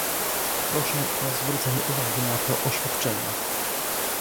Proszę o zwrócenie uwagi na to oświadczenie